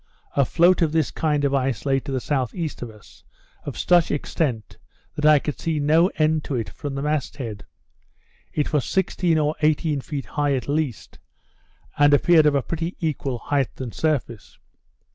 A float of this kind of ice lay to the S.E. of us, of such extent, that I could see no end to it from the mast head. It was sixteen or eighteen feet high at least; and appeared of a pretty equal height and surface.